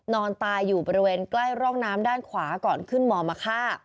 นอนตายอยู่บริเวณใกล้ร่องน้ำด้านขวาก่อนขึ้นมมาฆ่า